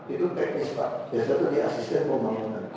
itu teknis pak biasanya itu di asisten pembangunan